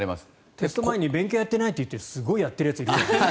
テスト前に勉強やってないって言ってすごいやってるやついるけど。